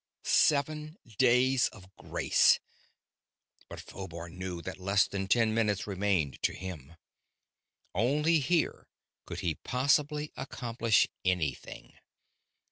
Seven days of grace! But Phobar knew that less than ten minutes remained to him. Only here could he possibly accomplish anything.